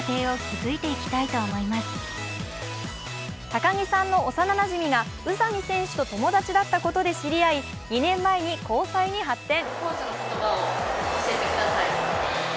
高城さんの幼なじみが宇佐見選手と友達だったことで知り合い、２年前に交際に発展。